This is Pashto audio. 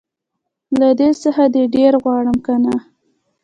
له دې څخه دي ډير غواړم که نه